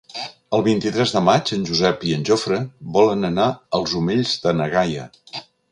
El vint-i-tres de maig en Josep i en Jofre volen anar als Omells de na Gaia.